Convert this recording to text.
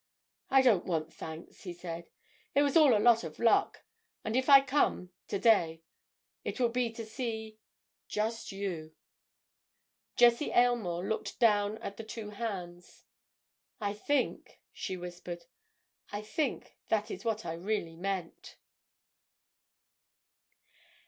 "I don't want thanks," he said. "It was all a lot of luck. And if I come—today—it will be to see—just you!" Jessie Aylmore looked down at the two hands. "I think," she whispered, "I think that is what I really meant!"